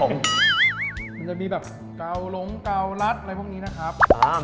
มันจะมีแบบเกาหลงเการัดอะไรพวกนี้นะครับ